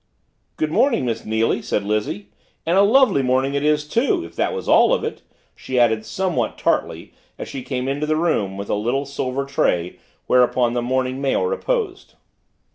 "Good morning, Miss Neily," said Lizzie, "and a lovely morning it is, too if that was all of it," she added somewhat tartly as she came into the room with a little silver tray whereupon the morning mail reposed.